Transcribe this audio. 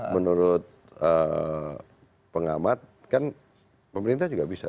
menurut pengamat kan pemerintah juga bisa